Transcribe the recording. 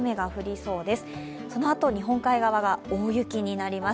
そのあと日本海側は大雪になります。